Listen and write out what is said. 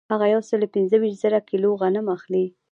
هغه یو سل پنځه ویشت زره کیلو غنم اخلي